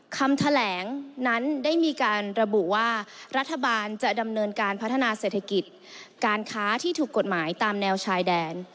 คำแถลงนั้นได้มีการระบุว่ารัฐบาลจะดำเนินการพัฒนาเศรษฐกิจการค้าที่ถูกกฎหมายตามแนวชายแดน